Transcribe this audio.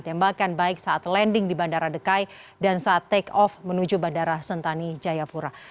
tembakan baik saat landing di bandara dekai dan saat take off menuju bandara sentani jayapura